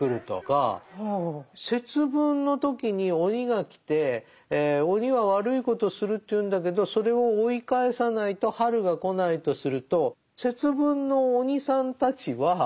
節分の時に鬼が来て鬼は悪いことをするというんだけどそれを追い返さないと春が来ないとすると節分の鬼さんたちは。